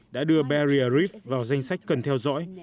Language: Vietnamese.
đã đưa barrier ref vào danh sách cần theo dõi